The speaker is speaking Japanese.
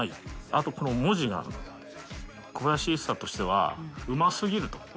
あとこの文字が、小林一茶としてはうますぎると。